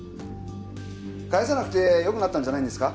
返さなくてよくなったんじゃないですか？